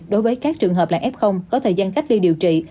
đối với các trường hợp là f có thời gian cách ly điều trị